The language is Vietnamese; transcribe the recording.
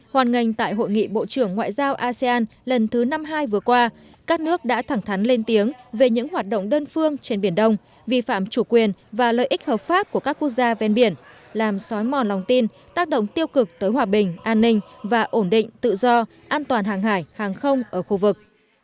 hoàn ngành tại hội nghị bộ trưởng ngoại giao asean lần thứ năm hai vừa qua các nước đã thẳng thắn lên tiếng về những hoạt động đơn phương trên biển đông vi phạm chủ quyền và lợi ích hợp pháp của các quốc gia ven biển làm xói mòn lòng tin tác động tiêu cực tới hòa bình an ninh và ổn định tự do an toàn hàng hải hàng không ở khu vực